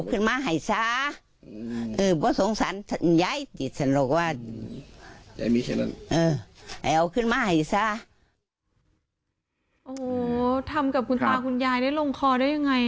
โอ้โหทำกับคุณตาคุณยายได้ลงคอได้ยังไง